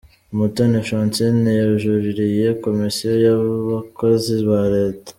Umutoni Francine yajuririye Komisiyo y’abakozi ba Leta.